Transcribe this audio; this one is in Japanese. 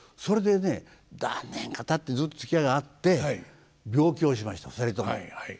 それでね何年かたってずっとつきあいがあって病気をしました２人とも。